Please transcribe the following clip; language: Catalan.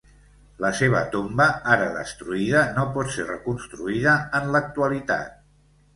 La seva tomba, ara destruïda, no pot ser reconstruïda en l'actualitat.